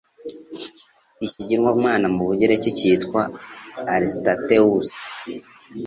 ikigirwamana mu bugereki cyitwa Aristaeus